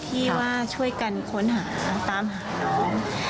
ที่ว่าช่วยกันค้นหาตามหาน้อง